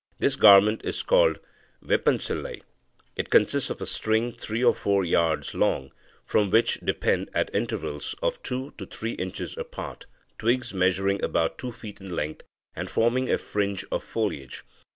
This garment is called vepansilai. It consists of a string three or four yards long, from which depend, at intervals of two to three inches apart, twigs measuring about two feet in length, and forming a fringe of foliage.